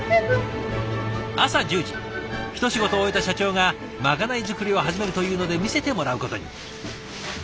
朝１０時一仕事終えた社長がまかない作りを始めるというので見せてもらうことに。